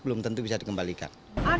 belum tentu bisa dikembalikan